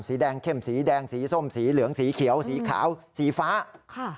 สีแดงเข้มสีแดงสีส้มสีเหลืองสีเขียวสีขาวสีฟ้าค่ะ